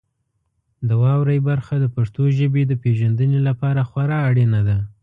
د واورئ برخه د پښتو ژبې د پیژندنې لپاره خورا اړینه ده.